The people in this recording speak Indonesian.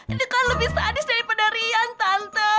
itu kan lebih sadis daripada rihan tante